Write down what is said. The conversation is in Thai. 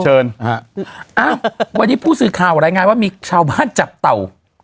เอ้าวันนี้พูดสื่อคร่าวรายงานว่ามีชาวบ้านจับเต่าขนาดใหญ่ได้